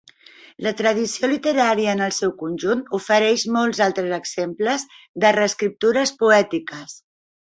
La tradició literària en el seu conjunt ofereix molts altres exemples de reescriptures poètiques.